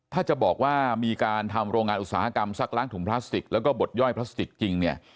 ถ้าจะบอกว่ามีการทำโรงงานอุตสาหกรรมซักล้างถุงพลาสติกแล้วก็บดย่อยพลาสติกจริงเนี่ย